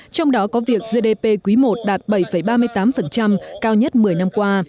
trong đó có việc gdp quý i đạt bảy ba mươi tám cao nhất một mươi năm qua